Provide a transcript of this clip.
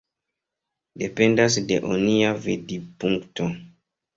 Dependas de onia vidpunkto.